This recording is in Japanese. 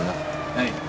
はい。